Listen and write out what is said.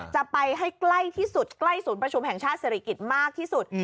จะไปให้ใกล้ที่สุดใกล้ศูนย์ประชุมแห่งชาติศิริกิจมากที่สุด